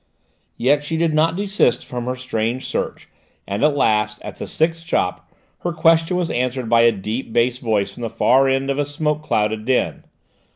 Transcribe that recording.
Yet she did not desist from her strange search, and at last, at the sixth shop, her question was answered by a deep bass voice from the far end of a smoke clouded den.